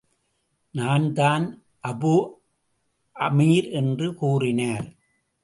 நான்தான் Abu Amir! என்று கூறினார்.